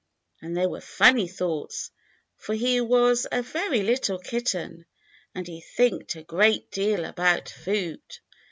And they were funny thoughts, for he was a very little kitten, and he thinked a gr^.tc deal about food.